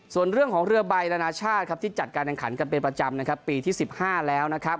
ส่วนเรื่องของเรือใบนานาชาติที่จัดการแข่งขันกันเป็นประจำปีที่๑๕แล้ว